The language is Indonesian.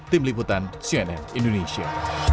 tim liputan cnn indonesia